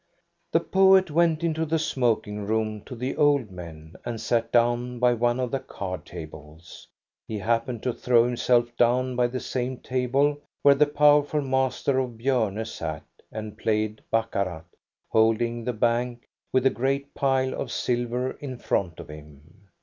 The poet went into the smoking room to the old men, and sat down by one of the card tables. He happened to throw himself down by the same table where the powerful master of Bjorne sat and played " baccarat *' holding the bank with a great pile of sil ver in front of him.